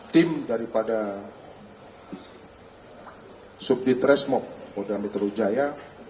tim daripada subdit resmok kota metro jaya